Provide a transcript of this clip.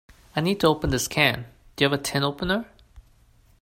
I need to open this can. Do you have a tin opener?